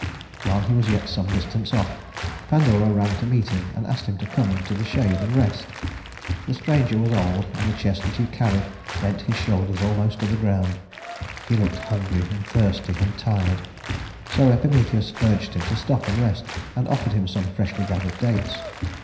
While he was yet some distance off, Pandora ran to meet him and asked him to come into the shade and rest. The stranger was old, and the chest that he carried bent his shoulders almost to the ground. He looked hungry and thirsty and tired, so Epimetheus urged him to stop and rest, and offered him some freshly gathered dates.